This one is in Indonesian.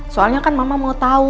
soalnya kan mama mau tahu